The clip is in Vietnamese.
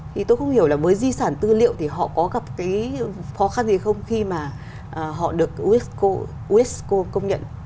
thì tôi không hiểu là với di sản thư liệu thì họ có gặp cái khó khăn gì không khi mà họ được usco công nhận